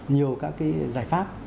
nhiều các giải pháp